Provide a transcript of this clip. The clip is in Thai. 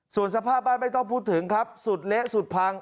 ส่วนสภาพบ้านไม่ต้องพูดถึงครับสุดเละสุดพัง